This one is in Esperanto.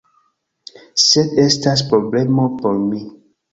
Sed estas problemo por mi.